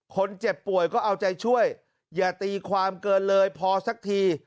คนเจ็บป่วยก็เอาใจช่วยอย่าตีความเกินเลยพอสักที